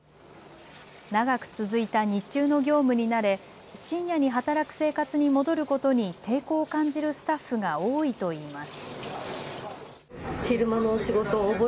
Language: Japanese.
長く続いた日中の業務に慣れ、深夜に働く生活に戻ることに抵抗を感じるスタッフが多いといいます。